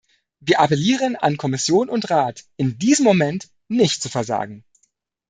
Wir appellieren an Kommission und Rat, in diesem Moment nicht zu versagen.